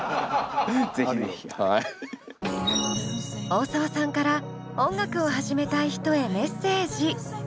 大沢さんから音楽を始めたい人へメッセージ。